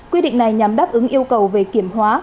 quy định này nhằm đáp ứng yêu cầu về kiểm hóa